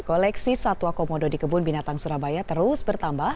koleksi satwa komodo di kebun binatang surabaya terus bertambah